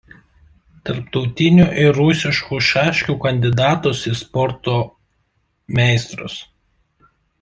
Tarptautinių ir rusiškų šaškių kandidatas į sporto meistrus.